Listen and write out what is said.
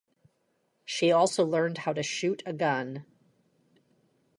She also learned how to shoot a gun.